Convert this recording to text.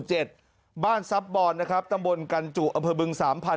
เจ็ดบ้านสับบอลนะครับตำบลกันจุกอเมืองบึงสามภาน